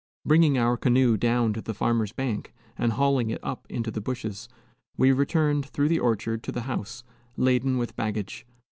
Bringing our canoe down to the farmer's bank and hauling it up into the bushes, we returned through the orchard to the house, laden with baggage.